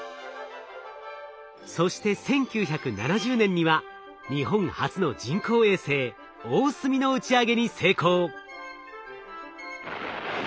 そして１９７０年には日本初の人工衛星「おおすみ」の打ち上げに成功。